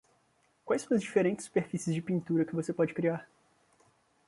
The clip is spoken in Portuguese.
Quais são as diferentes superfícies de pintura que você pode criar?